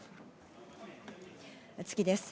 次です。